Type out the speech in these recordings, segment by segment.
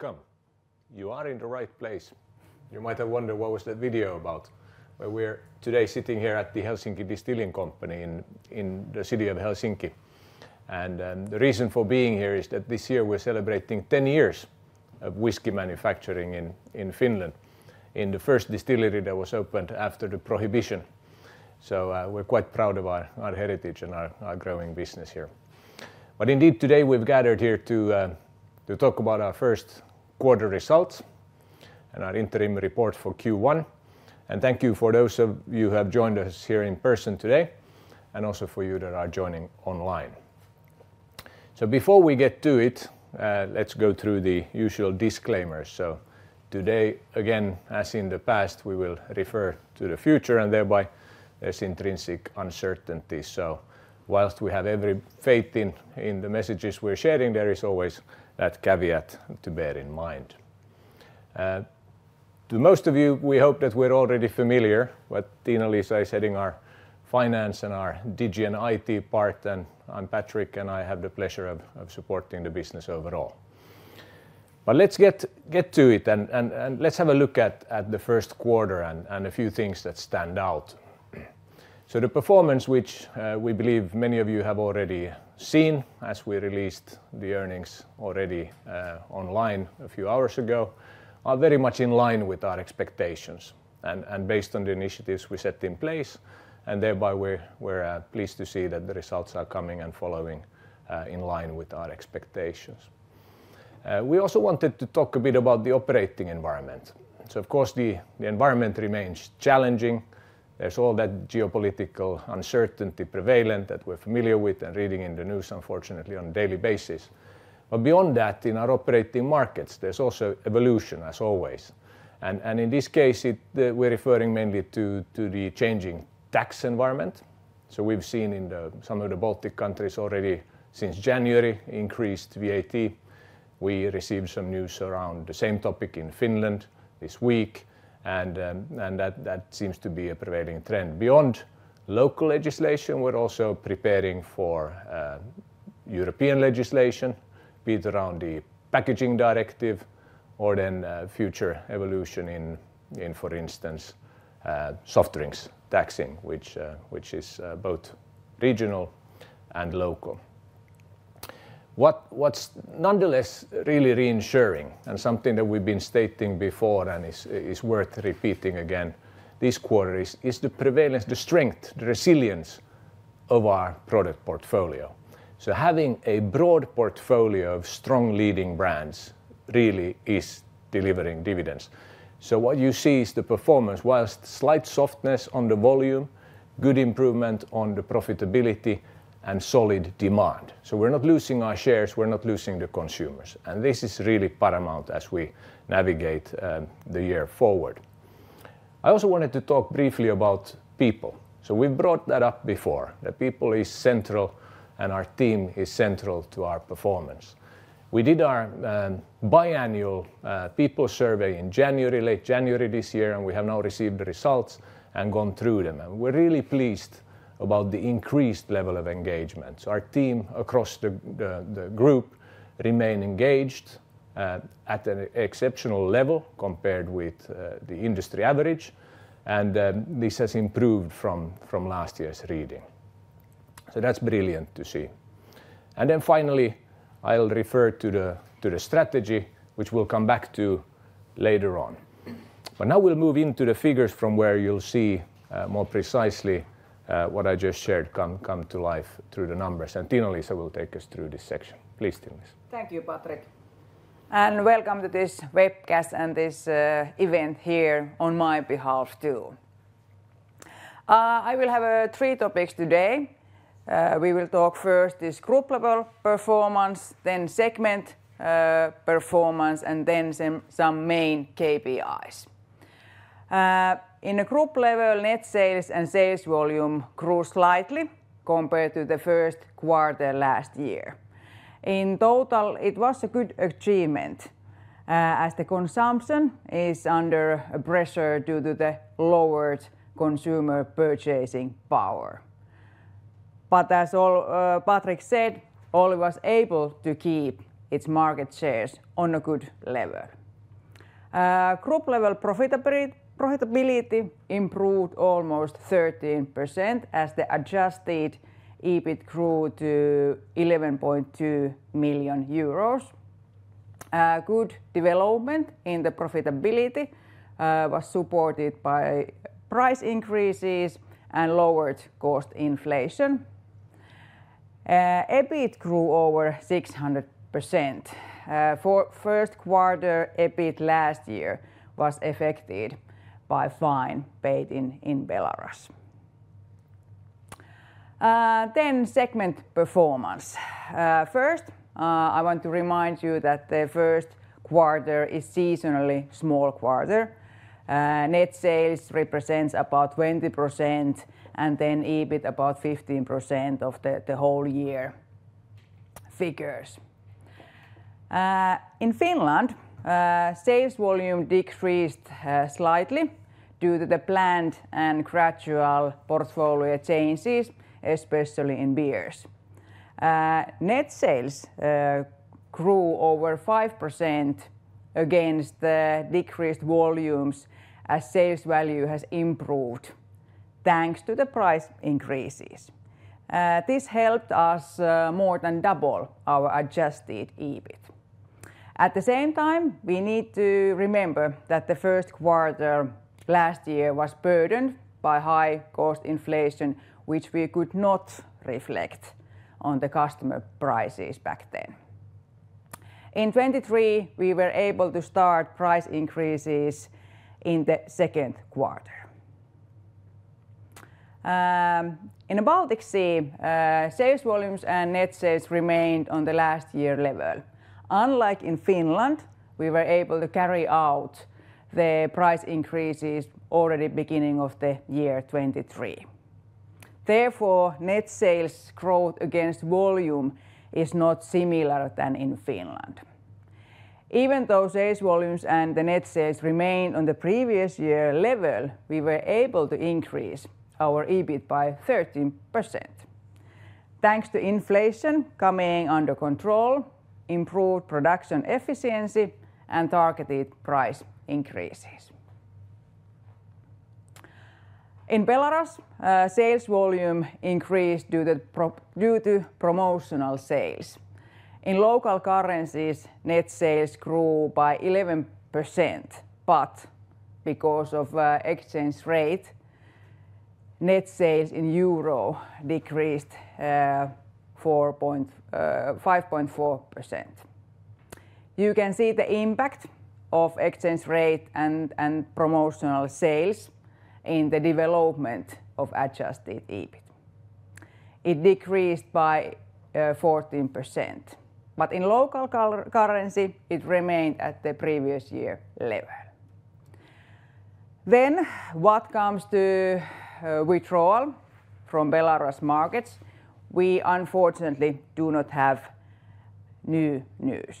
Welcome! You are in the right place. You might have wondered what was that video about? But we're today sitting here at the Helsinki Distilling Company in the city of Helsinki, and the reason for being here is that this year we're celebrating 10 years of whiskey manufacturing in Finland, in the first distillery that was opened after the prohibition. So, we're quite proud of our heritage and our growing business here. But indeed, today we've gathered here to talk about our first quarter results and our interim report for Q1, and thank you for those of you who have joined us here in person today, and also for you that are joining online. So before we get to it, let's go through the usual disclaimers. So today, again, as in the past, we will refer to the future, and thereby there's intrinsic uncertainty. So while we have every faith in the messages we're sharing, there is always that caveat to bear in mind. To most of you, we hope that we're already familiar, but Tiina-Liisa is heading our finance and our digi and IT part, and I'm Patrik, and I have the pleasure of supporting the business overall. But let's get to it, and let's have a look at the first quarter and a few things that stand out. So the performance, which, we believe many of you have already seen, as we released the earnings already, online a few hours ago, are very much in line with our expectations and, and based on the initiatives we set in place, and thereby we're, pleased to see that the results are coming and following, in line with our expectations. We also wanted to talk a bit about the operating environment. So of course, the environment remains challenging. There's all that geopolitical uncertainty prevalent that we're familiar with and reading in the news, unfortunately, on a daily basis. But beyond that, in our operating markets, there's also evolution, as always, and in this case, we're referring mainly to the changing tax environment. So we've seen in some of the Baltic countries already since January, increased VAT. We received some news around the same topic in Finland this week, and that seems to be a prevailing trend. Beyond local legislation, we're also preparing for European legislation, be it around the packaging directive or then future evolution in, for instance, soft drinks taxing, which, which is both regional and local. What's nonetheless really reassuring, and something that we've been stating before and is worth repeating again this quarter is the prevalence, the strength, the resilience of our product portfolio. So having a broad portfolio of strong leading brands really is delivering dividends. So what you see is the performance, while slight softness on the volume, good improvement on the profitability and solid demand. So we're not losing our shares, we're not losing the consumers, and this is really paramount as we navigate the year forward. I also wanted to talk briefly about people. So we've brought that up before, that people is central and our team is central to our performance. We did our biannual people survey in January, late January this year, and we have now received the results and gone through them, and we're really pleased about the increased level of engagement. So our team across the group remain engaged at an exceptional level compared with the industry average, and this has improved from last year's reading. So that's brilliant to see. And then finally, I'll refer to the strategy, which we'll come back to later on. But now we'll move into the figures from where you'll see more precisely what I just shared come to life through the numbers, and Tiina-Liisa will take us through this section. Please, Tiina-Liisa. Thank you, Patrik, and welcome to this webcast and this event here on my behalf, too. I will have three topics today. We will talk first this group level performance, then segment performance, and then some main KPIs. In a group level, net sales and sales volume grew slightly compared to the first quarter last year. In total, it was a good achievement, as the consumption is under pressure due to the lowered consumer purchasing power. But as Olvi, Patrik said, Olvi was able to keep its market shares on a good level. Group level profitability improved almost 13%, as the adjusted EBIT grew to 11.2 million euros. Good development in the profitability was supported by price increases and lowered cost inflation. EBIT grew over 600%. For first quarter, EBIT last year was affected by fine paid in Belarus. Then segment performance. First, I want to remind you that the first quarter is seasonally small quarter. Net sales represents about 20%, and then EBIT about 15% of the whole year figures. In Finland, sales volume decreased slightly due to the planned and gradual portfolio changes, especially in beers.... Net sales grew over 5% against the decreased volumes as sales value has improved thanks to the price increases. This helped us more than double our adjusted EBIT. At the same time, we need to remember that the first quarter last year was burdened by high cost inflation, which we could not reflect on the customer prices back then. In 2023, we were able to start price increases in the second quarter. In the Baltic Sea, sales volumes and net sales remained on the last year level. Unlike in Finland, we were able to carry out the price increases already beginning of the year 2023. Therefore, net sales growth against volume is not similar than in Finland. Even though sales volumes and the net sales remained on the previous year level, we were able to increase our EBIT by 13% thanks to inflation coming under control, improved production efficiency, and targeted price increases. In Belarus, sales volume increased due to promotional sales. In local currencies, net sales grew by 11%, but because of exchange rate, net sales in EUR decreased 5.4%. You can see the impact of exchange rate and promotional sales in the development of adjusted EBIT. It decreased by 14%, but in local currency, it remained at the previous year level. Then what comes to withdrawal from Belarus markets, we unfortunately do not have new news.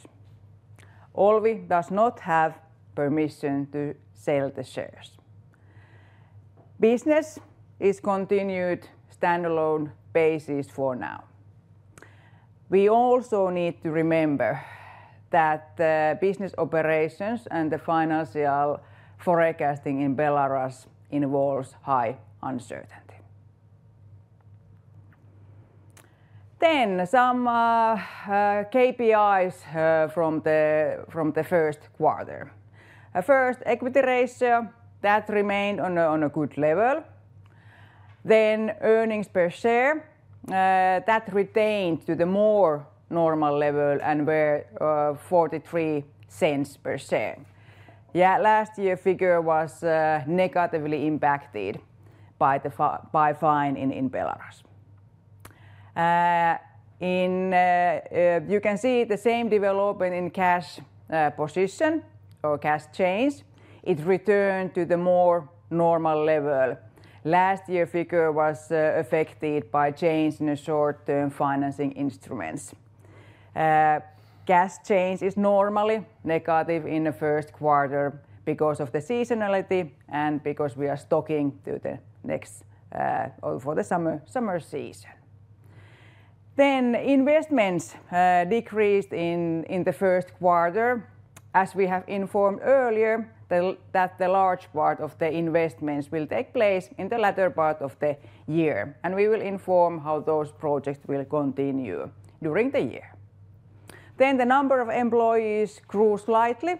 Olvi does not have permission to sell the shares. Business is continued standalone basis for now. We also need to remember that the business operations and the financial forecasting in Belarus involves high uncertainty. Then some KPIs from the first quarter. First, equity ratio, that remained on a good level. Then earnings per share, that retained to the more normal level and were 0.43 EUR per share. Yeah, last year figure was negatively impacted by the fine in Belarus. You can see the same development in cash position or cash change. It returned to the more normal level. Last year figure was affected by change in the short-term financing instruments. Cash change is normally negative in the first quarter because of the seasonality and because we are stocking to the next or for the summer season. Then investments decreased in the first quarter. As we have informed earlier, that the large part of the investments will take place in the latter part of the year, and we will inform how those projects will continue during the year. Then the number of employees grew slightly,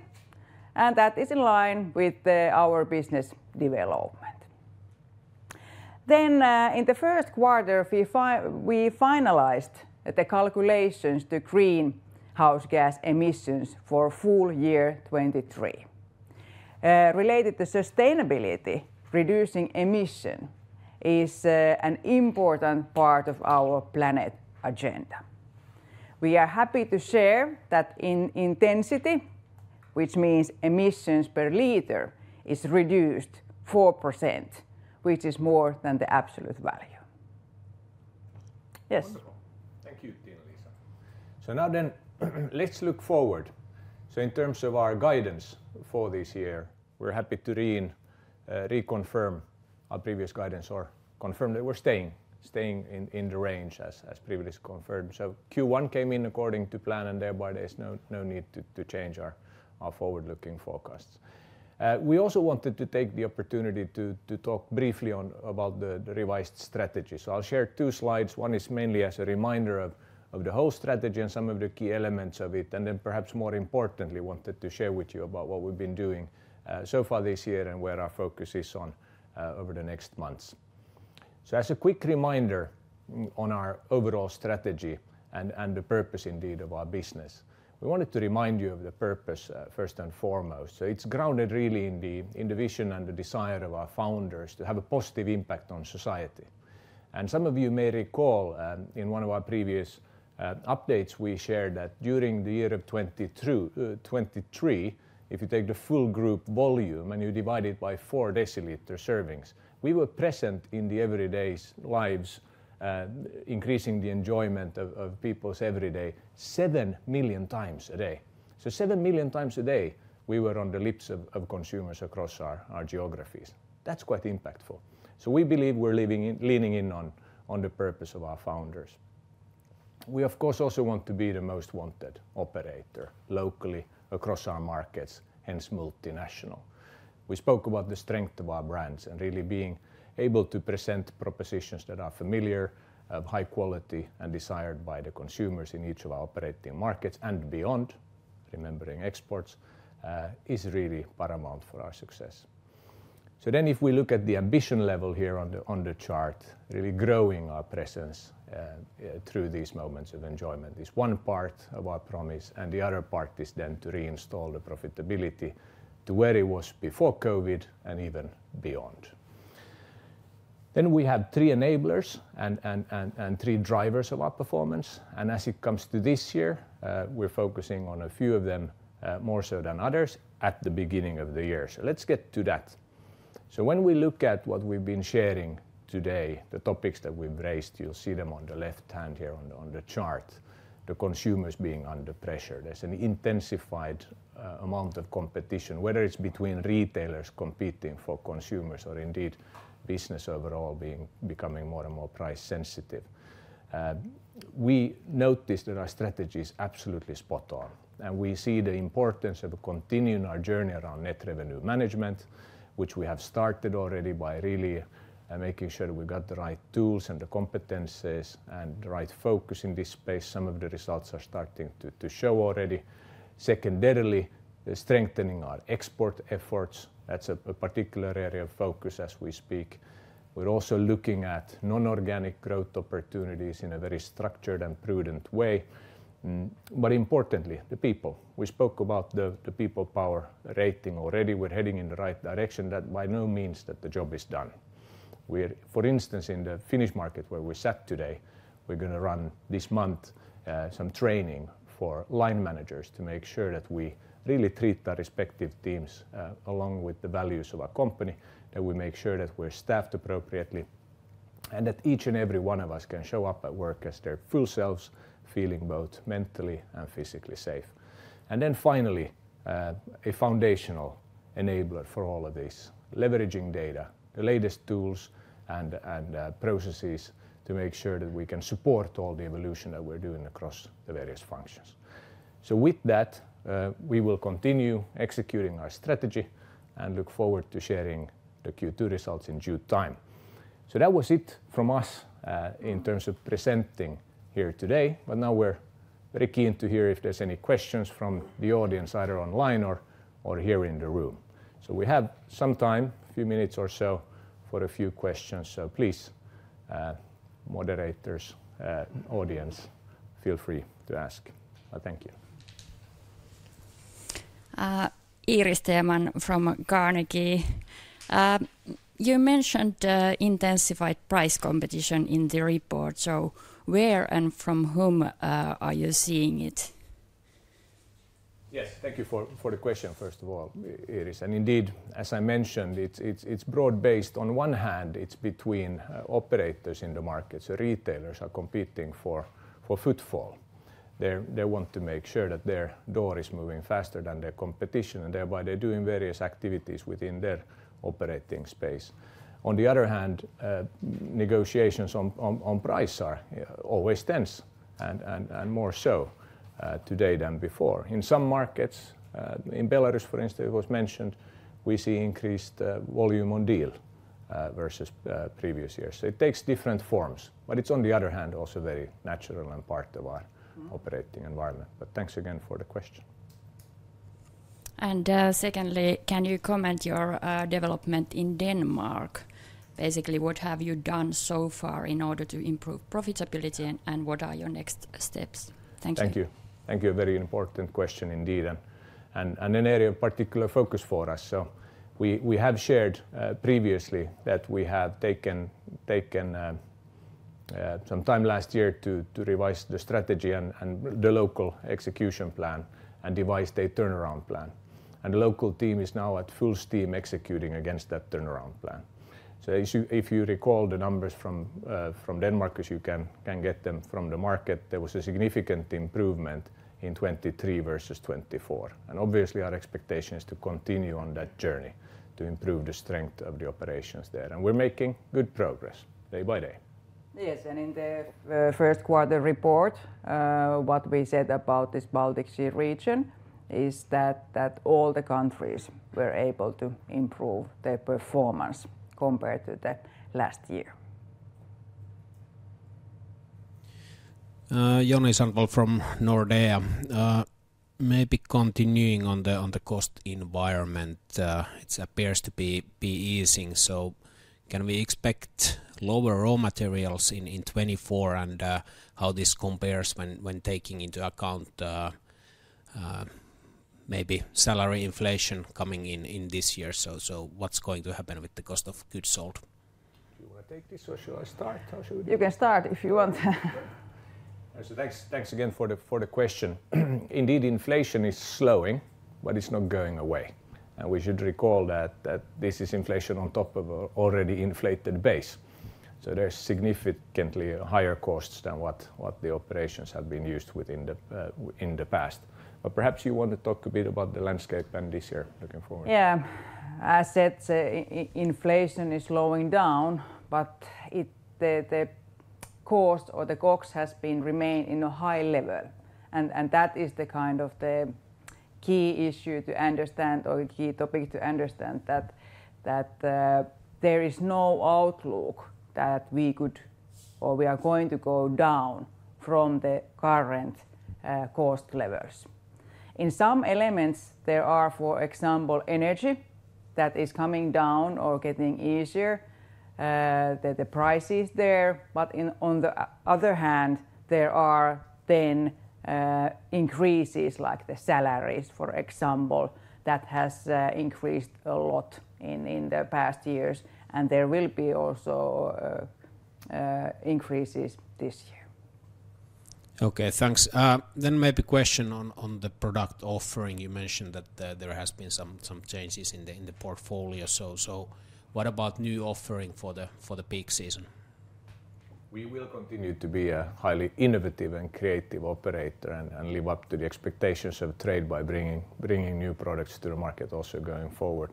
and that is in line with our business development. Then in the first quarter, we finalized the calculations to greenhouse gas emissions for full year 2023. Related to sustainability, reducing emissions is an important part of our planet agenda. We are happy to share that in intensity, which means emissions per liter, is reduced 4%, which is more than the absolute value. Yes? Wonderful. Thank you, Tiina-Liisa. So now then let's look forward. So in terms of our guidance for this year, we're happy to reconfirm our previous guidance or confirm that we're staying, staying in, in the range as, as previously confirmed. So Q1 came in according to plan, and thereby there's no, no need to, to change our, our forward-looking forecasts. We also wanted to take the opportunity to, to talk briefly about the, the revised strategy. So I'll share two slides. One is mainly as a reminder of, of the whole strategy and some of the key elements of it, and then perhaps more importantly, wanted to share with you about what we've been doing, so far this year and where our focus is on, over the next months. So as a quick reminder on our overall strategy and the purpose indeed of our business, we wanted to remind you of the purpose, first and foremost. So it's grounded really in the vision and the desire of our founders to have a positive impact on society. And some of you may recall, in one of our previous updates, we shared that during the year of 2023, if you take the full group volume and you divide it by 4 deciliter servings, we were present in the everyday's lives, increasing the enjoyment of people's every day, 7 million times a day. So 7 million times a day, we were on the lips of consumers across our geographies. That's quite impactful. So we believe we're living in- leaning in on the purpose of our founders. We, of course, also want to be the most wanted operator locally across our markets, hence multinational. We spoke about the strength of our brands and really being able to present propositions that are familiar, of high quality, and desired by the consumers in each of our operating markets and beyond, remembering exports, is really paramount for our success. So then if we look at the ambition level here on the, on the chart, really growing our presence, through these moments of enjoyment is one part of our promise, and the other part is then to reinstall the profitability to where it was before COVID and even beyond. Then we have three enablers and three drivers of our performance, and as it comes to this year, we're focusing on a few of them more so than others at the beginning of the year. So let's get to that. So when we look at what we've been sharing today, the topics that we've raised, you'll see them on the left-hand here on the chart. The consumers being under pressure. There's an intensified amount of competition, whether it's between retailers competing for consumers or indeed business overall becoming more and more price sensitive. We noticed that our strategy is absolutely spot on, and we see the importance of continuing our journey around net revenue management, which we have started already by really making sure we've got the right tools and the competencies and the right focus in this space. Some of the results are starting to show already. Secondarily, strengthening our export efforts, that's a particular area of focus as we speak. We're also looking at non-organic growth opportunities in a very structured and prudent way. But importantly, the people. We spoke about the People power rating already. We're heading in the right direction. That by no means that the job is done. We're... For instance, in the Finnish market where we're at today, we're gonna run this month some training for line managers to make sure that we really treat the respective teams along with the values of our company, that we make sure that we're staffed appropriately, and that each and every one of us can show up at work as their full selves, feeling both mentally and physically safe. Then finally, a foundational enabler for all of this, leveraging data, the latest tools, and processes to make sure that we can support all the evolution that we're doing across the various functions. So with that, we will continue executing our strategy and look forward to sharing the Q2 results in due time. So that was it from us, in terms of presenting here today, but now we're very keen to hear if there's any questions from the audience, either online or here in the room. So we have some time, a few minutes or so, for a few questions. So please, moderators, audience, feel free to ask. Thank you. Iiris Theman from Carnegie. You mentioned intensified price competition in the report, so where and from whom are you seeing it? Yes. Thank you for the question, first of all, Iiris. And indeed, as I mentioned, it's broad-based. On one hand, it's between operators in the markets. Retailers are competing for footfall. They want to make sure that their door is moving faster than their competition, and thereby they're doing various activities within their operating space. On the other hand, negotiations on price are always tense and more so today than before. In some markets, in Belarus, for instance, it was mentioned, we see increased volume on deal versus previous years. So it takes different forms, but it's on the other hand, also very natural and part of our- Mm-hmm... operating environment. But thanks again for the question. Secondly, can you comment your development in Denmark? Basically, what have you done so far in order to improve profitability, and what are your next steps? Thank you. Thank you. Thank you. A very important question indeed, and an area of particular focus for us. So we have shared previously that we have taken some time last year to revise the strategy and the local execution plan and devise a turnaround plan. And the local team is now at full steam executing against that turnaround plan. So as you- if you recall the numbers from Denmark, as you can get them from the market, there was a significant improvement in 2023 versus 2024. And obviously, our expectation is to continue on that journey to improve the strength of the operations there, and we're making good progress day by day. Yes, and in the first quarter report, what we said about this Baltic Sea region is that all the countries were able to improve their performance compared to the last year. Joni Sandvall from Nordea. Maybe continuing on the cost environment, it appears to be easing, so can we expect lower raw materials in 2024? And how this compares when taking into account maybe salary inflation coming in this year. So what's going to happen with the cost of goods sold? Do you wanna take this, or shall I start? How should we do it? You can start if you want. So thanks, thanks again for the question. Indeed, inflation is slowing, but it's not going away, and we should recall that this is inflation on top of an already inflated base... So there's significantly higher costs than what the operations have been used within the in the past. But perhaps you want to talk a bit about the landscape and this year looking forward? Yeah. As said, inflation is slowing down, but the cost or the COGS has been remained in a high level, and that is the kind of the key issue to understand or the key topic to understand that there is no outlook that we could or we are going to go down from the current cost levels. In some elements there are, for example, energy that is coming down or getting easier, the prices there, but on the other hand, there are then increases, like the salaries, for example, that has increased a lot in the past years, and there will be also increases this year. Okay, thanks. Then maybe question on the product offering. You mentioned that there has been some changes in the portfolio. So what about new offering for the peak season? We will continue to be a highly innovative and creative operator and live up to the expectations of trade by bringing new products to the market also going forward.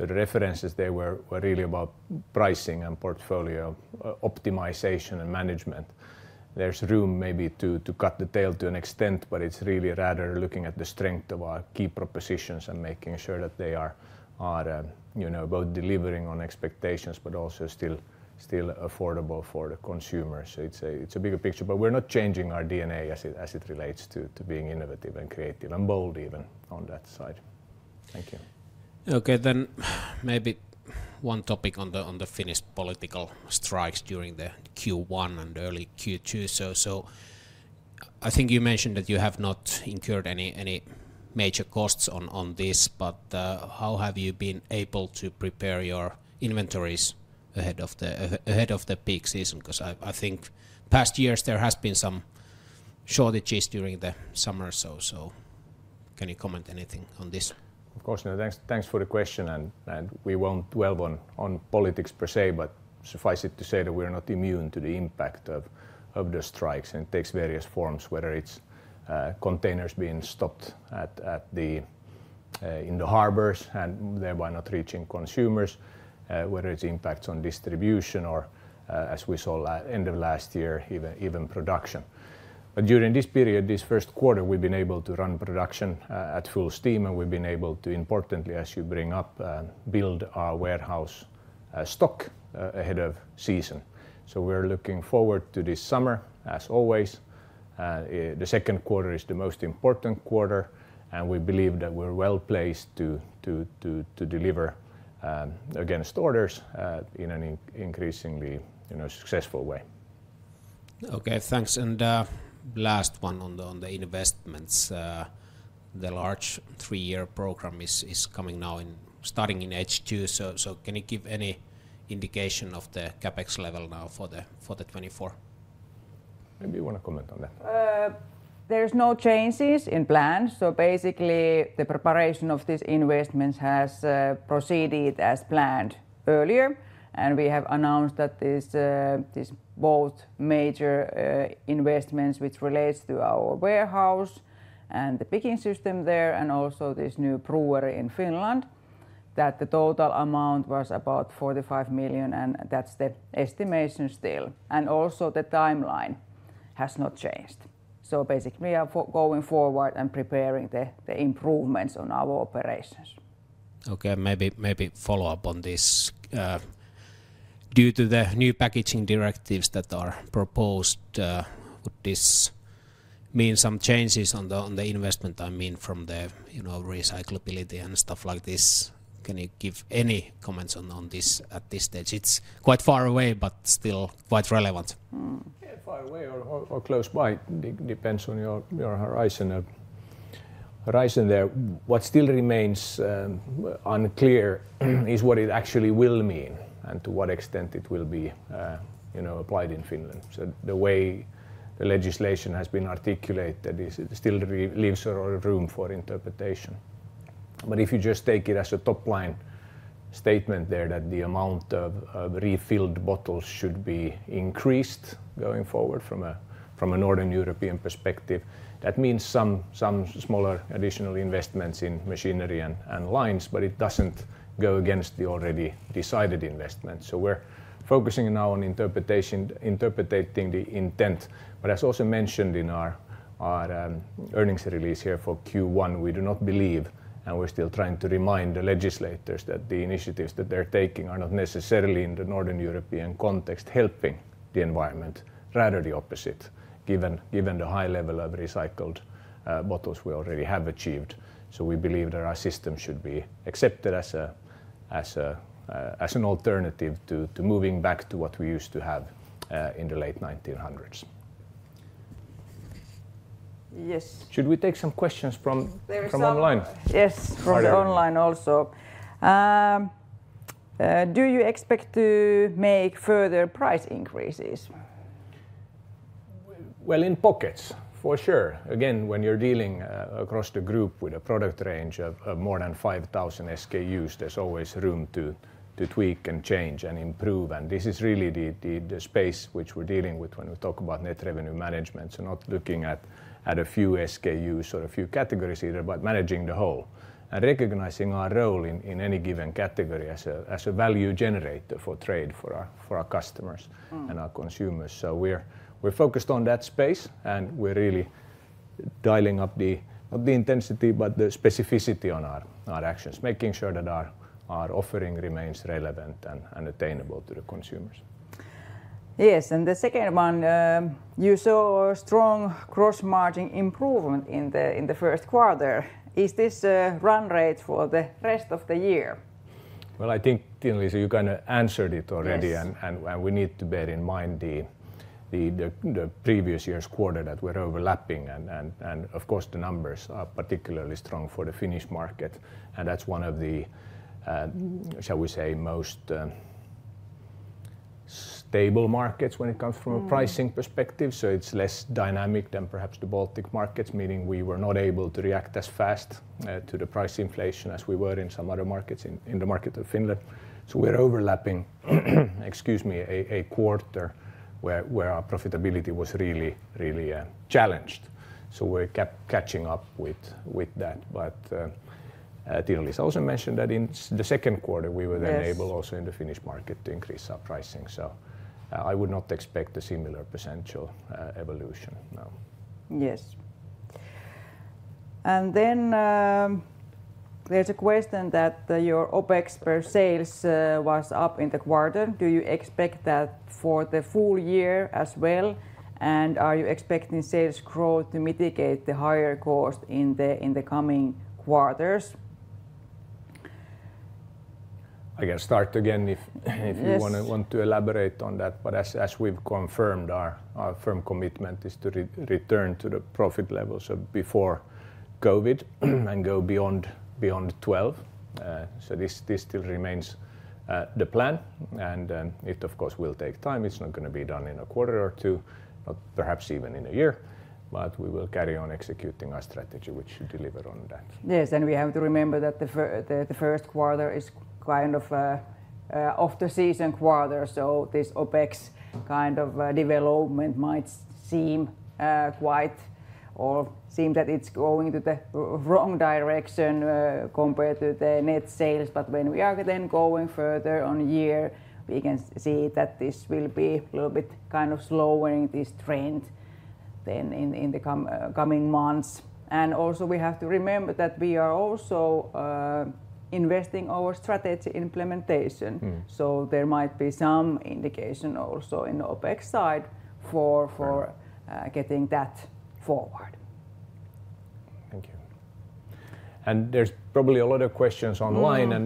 So the references there were really about pricing and portfolio optimization and management. There's room maybe to cut the tail to an extent, but it's really rather looking at the strength of our key propositions and making sure that they are you know both delivering on expectations, but also still affordable for the consumer. So it's a bigger picture, but we're not changing our DNA as it relates to being innovative and creative, and bold even on that side. Thank you. Okay, then maybe one topic on the Finnish political strikes during the Q1 and early Q2. So, I think you mentioned that you have not incurred any major costs on this, but how have you been able to prepare your inventories ahead of the peak season? 'Cause I think past years there has been some shortages during the summer, so can you comment anything on this? Of course. Thanks for the question, and we won't dwell on politics per se, but suffice it to say that we're not immune to the impact of the strikes, and it takes various forms, whether it's containers being stopped in the harbors and thereby not reaching consumers, whether it's impacts on distribution or, as we saw late end of last year, even production. But during this period, this first quarter, we've been able to run production at full steam, and we've been able to, importantly, as you bring up, build our warehouse stock ahead of season. So we're looking forward to this summer as always. The second quarter is the most important quarter, and we believe that we're well-placed to deliver against orders in an increasingly, you know, successful way. Okay, thanks. And last one on the investments. The large three-year program is coming now, starting in H2. So can you give any indication of the CapEx level now for the 2024? Maybe you wanna comment on that. There's no changes in plan, so basically, the preparation of these investments has proceeded as planned earlier. We have announced that this both major investments, which relates to our warehouse and the picking system there, and also this new brewery in Finland, that the total amount was about 45 million, and that's the estimation still. Also the timeline has not changed. So basically, we are going forward and preparing the improvements on our operations. Okay, maybe, maybe follow up on this. Due to the new packaging directives that are proposed, would this mean some changes on the investment, I mean, from the, you know, recyclability and stuff like this? Can you give any comments on this at this stage? It's quite far away, but still quite relevant. Mm. Yeah, far away or close by, depends on your horizon there. What still remains unclear is what it actually will mean and to what extent it will be, you know, applied in Finland. So the way the legislation has been articulated, it still leaves a lot of room for interpretation. But if you just take it as a top-line statement there, that the amount of refilled bottles should be increased going forward from a Northern European perspective, that means some smaller additional investments in machinery and lines, but it doesn't go against the already decided investment. So we're focusing now on interpretation, interpreting the intent. But as also mentioned in our earnings release here for Q1, we do not believe, and we're still trying to remind the legislators, that the initiatives that they're taking are not necessarily in the Northern European context helping the environment. Rather the opposite, given the high level of recycled bottles we already have achieved. So we believe that our system should be accepted as an alternative to moving back to what we used to have in the late 1900s. Yes. Should we take some questions from-? There is some-... from online? Yes- All right... from the online also. Do you expect to make further price increases? Well, in pockets, for sure. Again, when you're dealing across the group with a product range of more than 5,000 SKUs, there's always room to tweak, and change, and improve, and this is really the space which we're dealing with when we talk about net revenue management. So not looking at a few SKUs or a few categories either, but managing the whole, and recognizing our role in any given category as a value generator for trade for our customers- Mm. and our consumers. So we're focused on that space, and we're really dialing up the intensity, but the specificity on our actions, making sure that our offering remains relevant and attainable to the consumers. Yes, and the second one, you saw a strong gross-margin improvement in the first quarter. Is this a run rate for the rest of the year? Well, I think, Tiina-Liisa, you kind of answered it already... Yes... and we need to bear in mind the previous year's quarter that we're overlapping, and of course, the numbers are particularly strong for the Finnish market, and that's one of the, shall we say, most stable markets when it comes from- Mm... a pricing perspective. So it's less dynamic than perhaps the Baltic markets, meaning we were not able to react as fast to the price inflation as we were in some other markets in the market of Finland. So we're overlapping, excuse me, a quarter where our profitability was really, really challenged, so we're catching up with that. But Tiina-Liisa also mentioned that in the second quarter, we were- Yes... then able also in the Finnish market to increase our pricing. So, I would not expect a similar potential evolution, no. Yes. Then, there's a question that your OPEX per sales was up in the quarter. Do you expect that for the full year as well, and are you expecting sales growth to mitigate the higher cost in the coming quarters? I can start again if- Yes... if you want to elaborate on that. But as we've confirmed, our firm commitment is to return to the profit levels of before COVID, and go beyond 12. So this still remains the plan, and it, of course, will take time. It's not gonna be done in a quarter or two, not perhaps even in a year, but we will carry on executing our strategy, which should deliver on that. Yes, and we have to remember that the first quarter is kind of off the season quarter, so this OPEX kind of development might seem quite or seem that it's going to the wrong direction compared to the net sales. But when we are then going further on year, we can see that this will be a little bit kind of slowing this trend then in the coming months. And also, we have to remember that we are also investing our strategy implementation. Mm. There might be some indication also in the OPEX side for- Right... for getting that forward. Thank you. And there's probably a lot of questions online- Mm... and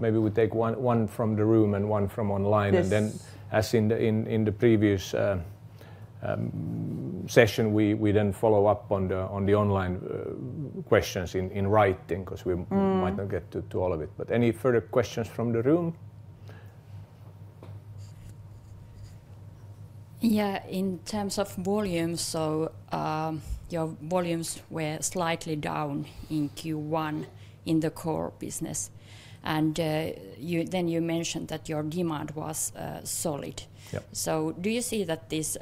maybe we take one from the room and one from online. Yes. Then as in the previous session, we then follow up on the online questions in writing, 'cause we- Mm... might not get to all of it, but any further questions from the room? Yeah, in terms of volumes, so, your volumes were slightly down in Q1 in the core business, and you then mentioned that your demand was solid. Yep. Do you see that this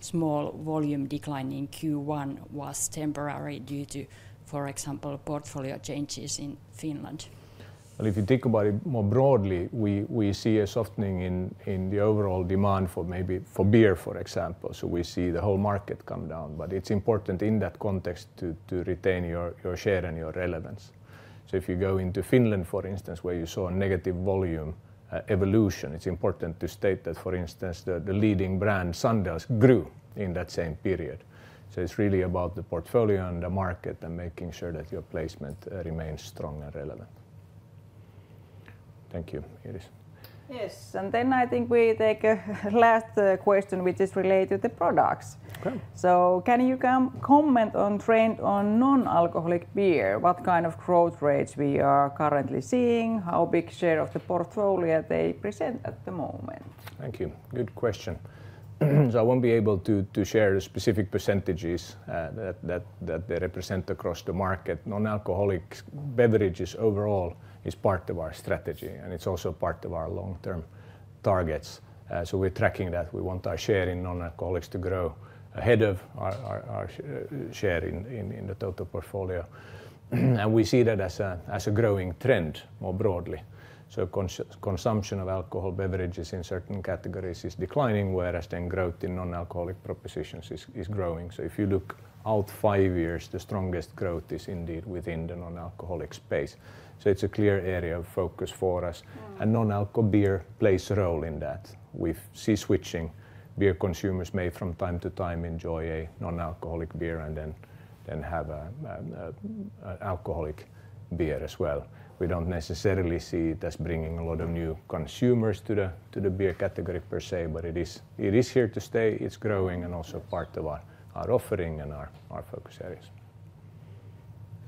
small volume decline in Q1 was temporary due to, for example, portfolio changes in Finland? Well, if you think about it more broadly, we see a softening in the overall demand for maybe for beer, for example, so we see the whole market come down. But it's important in that context to retain your share and your relevance. So if you go into Finland, for instance, where you saw a negative volume evolution, it's important to state that, for instance, the leading brand Sandels grew in that same period. So it's really about the portfolio and the market and making sure that your placement remains strong and relevant. Thank you, Iris. Yes, and then I think we take a last question, which is related to products. Okay. Can you comment on trend on non-alcoholic beer? What kind of growth rates we are currently seeing? How big share of the portfolio they present at the moment? Thank you. Good question. So I won't be able to share the specific percentages that they represent across the market. Nonalcoholic beverages overall is part of our strategy, and it's also part of our long-term targets. So we're tracking that. We want our share in non-alcohols to grow ahead of our share in the total portfolio. And we see that as a growing trend more broadly. So consumption of alcohol beverages in certain categories is declining, whereas then growth in non-alcoholic propositions is growing. So if you look out five years, the strongest growth is indeed within the non-alcoholic space. So it's a clear area of focus for us. Mm... and non-alco beer plays a role in that. We've seen switching beer consumers may from time to time enjoy a non-alcoholic beer and then have an alcoholic beer as well. We don't necessarily see it as bringing a lot of new consumers to the beer category per se, but it is here to stay. It's growing and also part of our offering and our focus areas.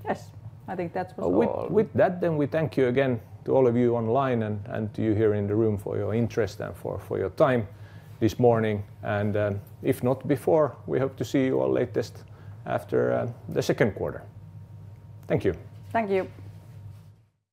Yes, I think that's all. With that, then we thank you again to all of you online and to you here in the room for your interest and for your time this morning. If not before, we hope to see you all latest after the second quarter. Thank you. Thank you!